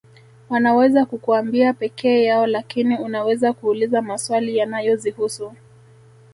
Wanaweza kukuambia pekee yao lakini unaweza kuuliza maswali yanayozihusu